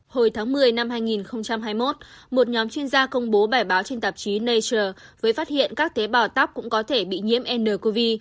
hồi tháng một mươi năm hai nghìn hai mươi một một nhóm chuyên gia công bố bài báo trên tạp chí nature với phát hiện các tế bào tóc cũng có thể bị nhiễm ncov